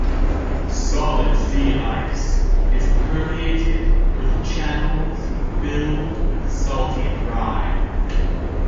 Solid sea ice is permeated with channels filled with salty brine.